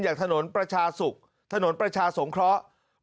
อย่างถนนประชาศุกร์ถนนประชาสงเคราะห์